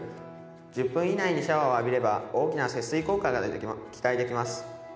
１０分以内にシャワーを浴びれば大きな節水効果が期待できます。